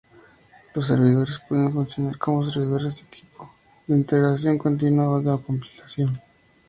Los servidores pueden funcionar como servidores de equipo, de integración continua o de compilación.